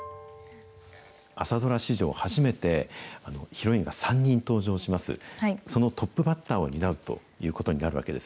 朝ドラ史上初めて、ヒロインが３人登場します。